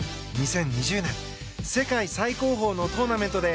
２０２０年世界最高峰のトーナメントで